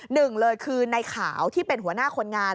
หนึ่งเลยคือในขาวที่เป็นหัวหน้าคนงาน